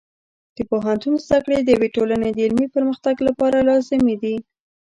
د پوهنتون زده کړې د یوې ټولنې د علمي پرمختګ لپاره لازمي دي.